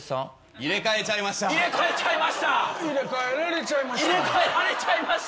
入れ替えられちゃいました。